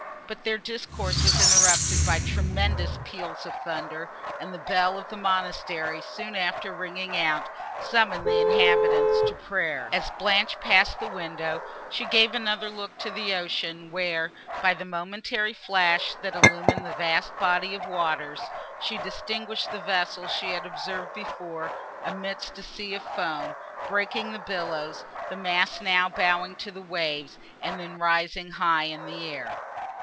But their discourse was interrupted by tremendous peals of thunder; and the bell of the monastery soon after ringing out, summoned the inhabitants to prayer. As Blanche passed the window, she gave another look to the ocean, where, by the momentary flash, that illumined the vast body of the waters, she distinguished the vessel she had observed before, amidst a sea of foam, breaking the billows, the mast now bowing to the waves, and then rising high in air.